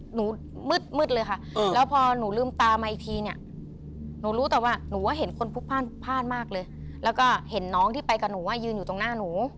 หนูมืดเลยค่ะแล้วพอหนูลืมตามาอีกทีเนี่ยหนูรู้แต่ว่าหนูว่าเห็นคนพลุกพลาดมากเลยแล้วก็เห็นน้องที่ไปกับหนูว่ายืนอยู่ตรงหน้าหนู